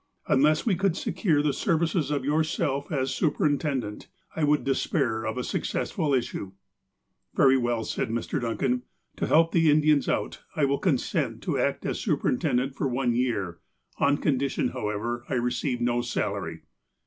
Unless we could secure the services of yourself as superintendent, I would despair of a successful issue." " Very well," said Mr. Duncan, " to help the Indians out, I will consent to act as superintendent for one year, on condition, however, that I receive no salary."